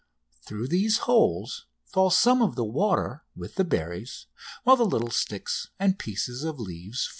Through these holes falls some of the water with the berries, while the little sticks and pieces of leaves float on.